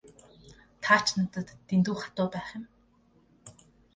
Та ч надад дэндүү хатуу байх юм.